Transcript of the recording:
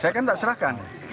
saya kan tak serahkan